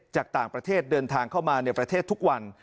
จากต่างประเทศเดินทางเข้ามาในประเทศทุกวัน